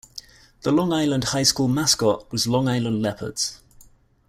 The Long Island High School mascot was Long Island Leopards.